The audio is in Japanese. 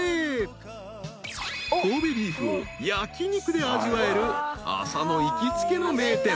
［神戸ビーフを焼き肉で味わえる浅野行きつけの名店］